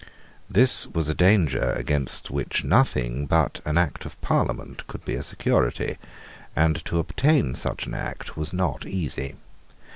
This was a danger against which nothing but, an Act of Parliament could be a security; and to obtain such an Act was not easy.